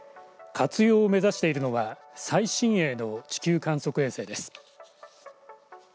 活用を目指しているのは最新鋭の地球観測衛星です。